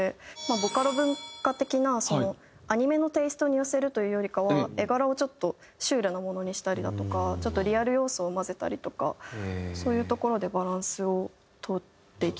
ボカロ文化的なアニメのテイストに寄せるというよりかは絵柄をちょっとシュールなものにしたりだとかちょっとリアル要素を混ぜたりとかそういうところでバランスを取っていきました。